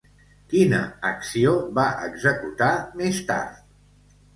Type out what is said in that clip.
Quina acció va executar més tard?